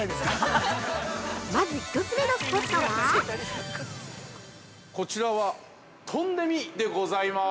まず、１つ目のスポットは◆こちらは、トンデミでございます。